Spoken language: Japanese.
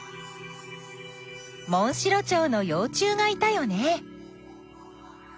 モンシロチョウのよう虫がいたよね。